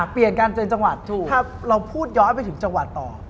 เปลี่ยนการเป็นจังหวัดถูกถ้าเราพูดย้อนไปถึงจังหวัดต่อ